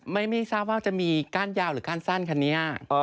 ไม่ทราบว่าจะมีก้านยาวหรือก้านสั้นคันนี้